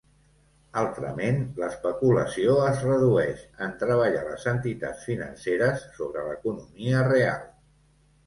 Altrament, l'especulació es redueix, en treballar les entitats financeres sobre l'economia real.